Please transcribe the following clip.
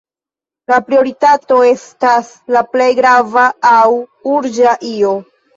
La prioritato estas la plej grava aŭ urĝa io.